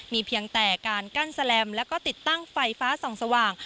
มีเพียงแต่การกั้นแลมแล้วก็ติดตั้งไฟฟ้าส่องสว่าง